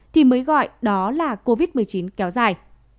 thì mới gọi đó là covid một mươi chín kéo dài